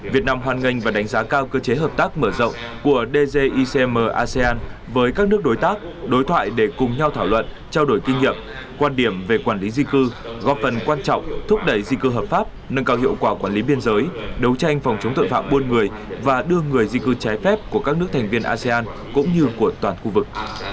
việt nam hoàn ngành và đánh giá cao cơ chế hợp tác mở rộng của dgicm asean với các nước đối tác đối thoại để cùng nhau thảo luận trao đổi kinh nghiệm quan điểm về quản lý di cư góp phần quan trọng thúc đẩy di cư hợp pháp nâng cao hiệu quả quản lý biên giới đấu tranh phòng chống tội phạm buôn người và đưa người di cư trái phép của các nước thành viên asean cũng như của toàn khu vực